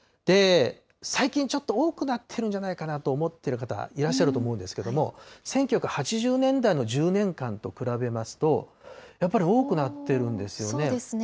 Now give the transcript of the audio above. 最近ちょっと多くなってるんじゃないかなと思ってる方、いらっしゃると思うんですけれども、１９８０年代の１０年間と比べますと、やっぱり多くなっているんですよね。